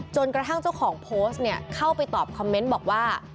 กระทั่งเจ้าของโพสต์เข้าไปตอบคอมเมนต์บอกว่า